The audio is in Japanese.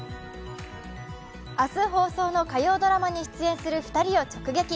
明日放送の火曜ドラマに出演する２人を直撃。